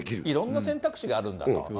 いろんな選択肢があるんだ。